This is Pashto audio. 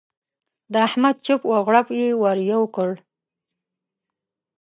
د احمد چپ و غړوپ يې ور یو کړ.